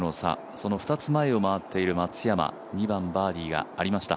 その２つ前を回っている松山、２番、バーディーがありました。